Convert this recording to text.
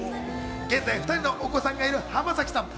現在、２人のお子さんがいる浜崎さん。